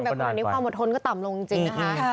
แต่วันนี้ความอดทนก็ต่ำลงจริงค่ะ